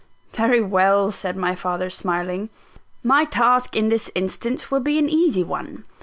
"Very well," said my father smiling; "my task in this instance will be an easy one.